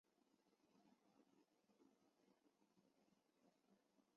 王顺友一角由邱林饰演。